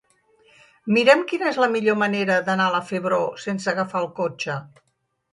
Mira'm quina és la millor manera d'anar a la Febró sense agafar el cotxe.